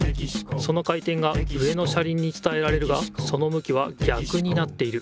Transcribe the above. その回てんが上の車りんにつたえられるがそのむきはぎゃくになっている。